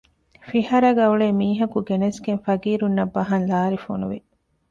ފިހާރައިގައި އުޅޭ މީހަކު ގެނެސްގެން ފަޤީރުންނަށް ބަހަން ލާރި ފޮނުވި